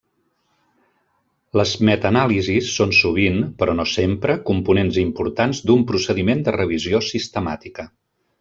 Les metanàlisis són sovint, però no sempre, components importants d'un procediment de revisió sistemàtica.